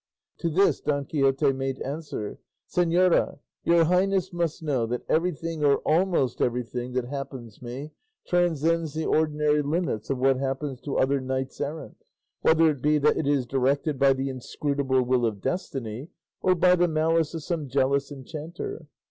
To this Don Quixote made answer, "Señora, your highness must know that everything or almost everything that happens me transcends the ordinary limits of what happens to other knights errant; whether it be that it is directed by the inscrutable will of destiny, or by the malice of some jealous enchanter.